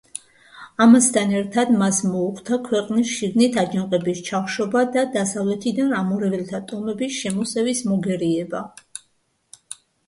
ამასთან ერთად მას მოუხდა ქვეყნის შიგნით აჯანყების ჩახშობა და დასავლეთიდან ამორეველთა ტომების შემოსევის მოგერიება.